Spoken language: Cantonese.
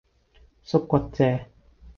縮骨遮